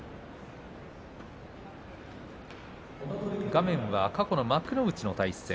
画面は過去の幕内の対戦。